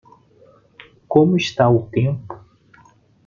Como está o tempo?